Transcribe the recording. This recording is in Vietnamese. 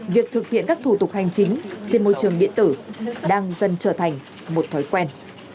việc thực hiện các thủ tục hành chính trên môi trường điện tử đang dần trở thành một thói quen